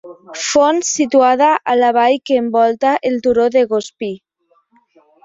Font situada a la vall que envolta el turó de Gospí.